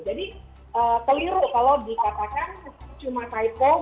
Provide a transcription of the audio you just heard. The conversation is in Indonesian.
jadi keliru kalau dikatakan cuma pilkada